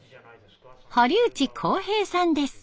堀内浩平さんです。